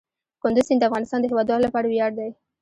کندز سیند د افغانستان د هیوادوالو لپاره ویاړ دی.